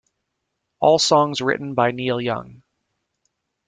All songs written by Neil Young.